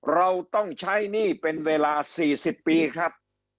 เราต้องใช้หนี้เป็นเวลา๔๐ปีครับ